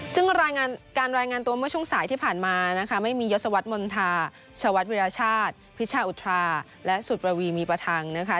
ซึ่งรายงานการรายงานตัวเมื่อช่วงสายที่ผ่านมานะคะไม่มียศวรรษมณฑาชวัดวิรชาติพิชาอุทราและสุดประวีมีประทังนะคะ